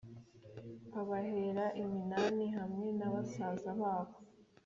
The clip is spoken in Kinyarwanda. Abahera iminani hamwe na basaza babo